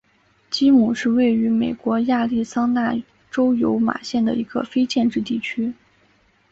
基姆是位于美国亚利桑那州尤马县的一个非建制地区。